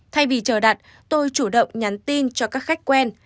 thay vì chờ đặt tôi chủ động nhắn tin cho các khách quen